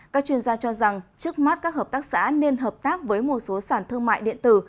các chuyên gia cho rằng trước mắt các hợp tác xã nên hợp tác với một số sản thương mại điện tử